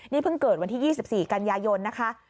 นี่เพิ่งเกิดวันที่๒๔กันยายนนะคะ